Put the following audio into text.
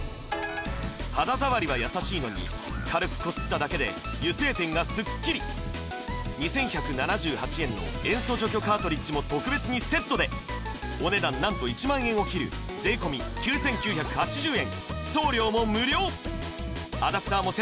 肌触りは優しいのに軽くこすっただけで油性ペンがスッキリ２１７８円の塩素除去カートリッジも特別にセットでお値段何と１万円を切る税込９９８０円